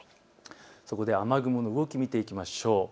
そこで雨雲の動き見ていきましょう。